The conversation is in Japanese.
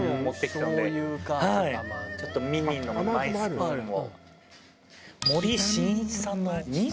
ちょっとミニのマイスプーンを。